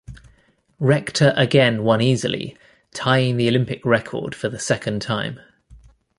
Rector again won easily, tying the Olympic record for the second time.